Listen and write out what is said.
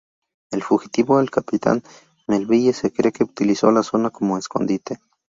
El fugitivo, el capitán Melville se cree que utilizó la zona como escondite.